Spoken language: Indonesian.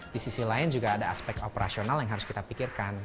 di sisi lain juga ada aspek operasional yang harus kita pikirkan